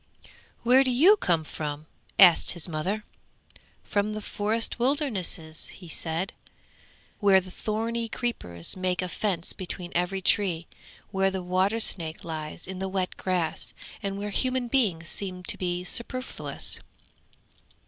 'Where do you come from?' asked his mother. 'From the forest wildernesses!' he said, 'where the thorny creepers make a fence between every tree, where the water snake lies in the wet grass, and where human beings seem to be superfluous!'